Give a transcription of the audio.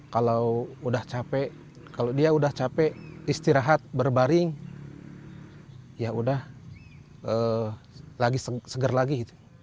kalau udah capek kalau dia udah capek istirahat berbaring ya udah lagi seger lagi